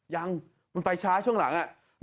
ยังมันไปช้าช่วงหลัง